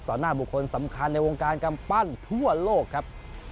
หน้าบุคคลสำคัญในวงการกำปั้นทั่วโลกครับ